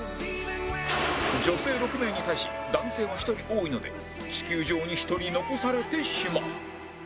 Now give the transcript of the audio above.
女性６名に対し男性が１人多いので地球上に１人残されてしまう